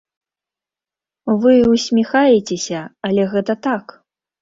Вы ўсміхаецеся, але гэта так!